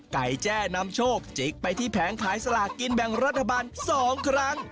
แจ้นำโชคจิกไปที่แผงขายสลากกินแบ่งรัฐบาล๒ครั้ง